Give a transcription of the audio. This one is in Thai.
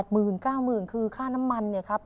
หมื่นเก้าหมื่นคือค่าน้ำมันเนี่ยครับ